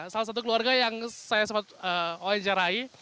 salah satu keluarga yang saya sempat oleh carai